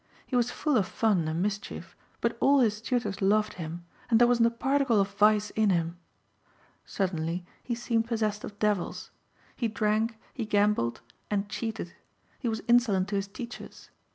He was full of fun and mischief but all his tutors loved him and there wasn't a particle of vice in him. Suddenly he seemed possessed of devils. He drank, he gambled and cheated he was insolent to his teachers.